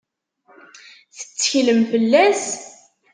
Tetteklem fell-as?